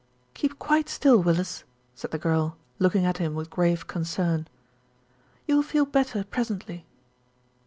"Keep quite still, Willis," said the girl, looking at him with grave concern. "You will feel better pres ently."